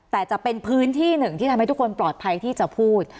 แต่จะเป็นพื้นที่หนึ่งที่ทำให้ทุกคนปลอดภัยที่จะพูด